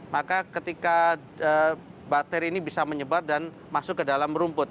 maka ketika bakteri ini bisa menyebar dan masuk ke dalam rumput